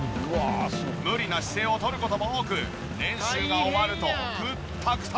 無理な姿勢をとる事も多く練習が終わるとクッタクタ。